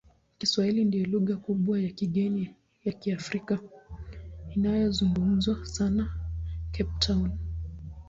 Kiswahili ndiyo lugha kubwa ya kigeni ya Kiafrika inayozungumzwa sana Cape Town.